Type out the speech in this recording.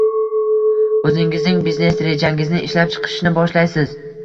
oʻzingizning biznes rejangizni ishlab chiqishni boshlaysiz.